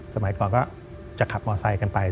สมัยก่อนก็จะขับมอไซค์กันไป